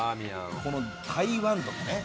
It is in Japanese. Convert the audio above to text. この台湾とかね。